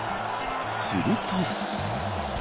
すると。